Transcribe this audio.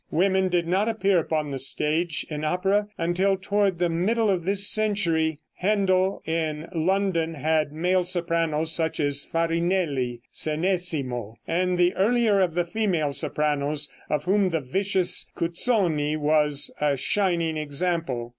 Women did not appear upon the stage in opera until toward the middle of this century. Händel, in London, had male sopranos such as Farinelli, Senesimo, and the earlier of the female sopranos, of whom the vicious Cuzzoni was a shining example.